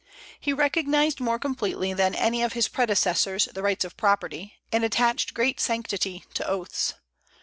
He recognized more completely than any of his predecessors the rights of property, and attached great sanctity to oaths.